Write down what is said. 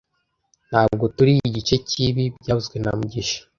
Ntabwo turi igice cyibi byavuzwe na mugisha